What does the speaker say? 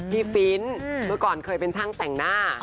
ฟิ้นเมื่อก่อนเคยเป็นช่างแต่งหน้า